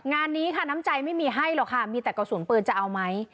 งานนี้ค่ะน้ำใจไม่มีให้หรอกค่ะมีแต่กระสุนปืนจะเอาไหม